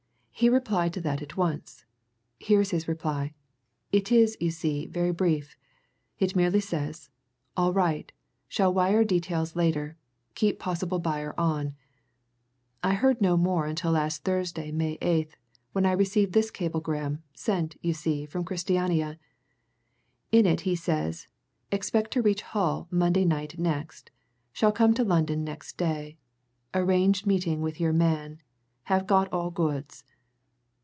He replied to that at once here is his reply. It is, you see, very brief. It merely says, 'All right shall wire details later keep possible buyer on.' I heard no more until last Thursday, May 8th, when I received this cablegram, sent, you see, from Christiania. In it he says: 'Expect reach Hull Monday night next. Shall come London next day. Arrange meeting with your man. Have got all goods.'